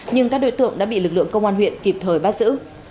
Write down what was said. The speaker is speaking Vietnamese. nhưng các đối tượng đã bị lực lượng công an huyện kịp thời bắt giữ